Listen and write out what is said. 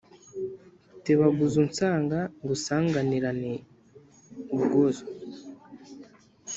Tebaguza unsanga Ngusanganirane ubwuzu